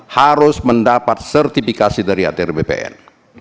harus mendapat sertifikasi dari atr bpn